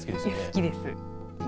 好きです。